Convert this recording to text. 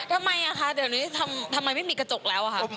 ทำไมคะเดี๋ยวนี้ทำไมไม่มีกระจกแล้วอะค่ะ